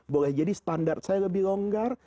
boleh jadi standar saya lebih longgar